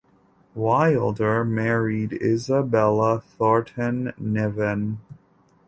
Wilder married Isabella Thornton Niven.